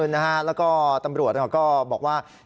นะคะแล้วตำรวจบอกว่า